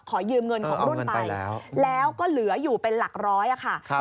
ขอยืมเงินของรุ่นไปแล้วก็เหลืออยู่เป็นหลักร้อยค่ะแล้วเอาเงินไปแล้ว